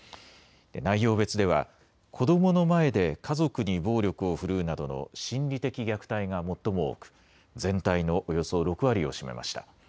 内容別では子どもの前で家族に暴力を振るうなどの心理的虐待が最も多く全体のおよそ６割を占めました。